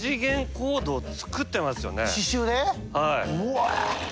うわ！